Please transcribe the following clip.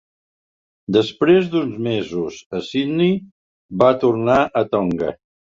Després d'uns mesos a Sydney va tornar a Tonga.